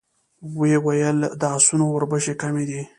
ويې ويل: د آسونو وربشې کمې دي.